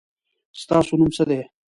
ستاسو نوم څه دی؟